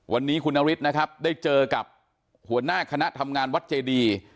วันนี้คุณนฤทธิ์นะครับได้เจอกับหัวหน้าคณะทำงานวัดเจดี